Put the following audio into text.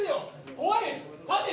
怖い？